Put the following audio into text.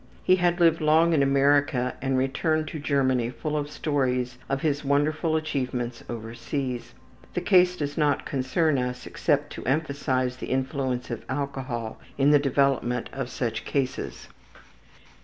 He had lived long in America and returned to Germany full of stories of his wonderful achievements over seas. This case does not concern us except to emphasize the influence of alcohol in the development of such cases.